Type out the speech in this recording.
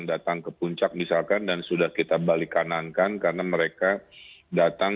kami juga laporkan mbak sampai tadi sore kita merazia banyak sekali warga warganya